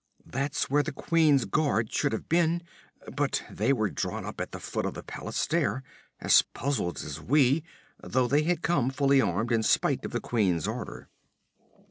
'That's where the queen's guard should have been, but they were drawn up at the foot of the palace stair, as puzzled as we, though they had come fully armed, in spite of the queen's order.